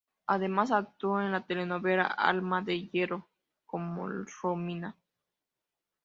Además, actuó en la telenovela Alma de hierro como Romina.